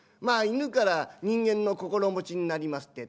まあ犬から人間の心持ちになります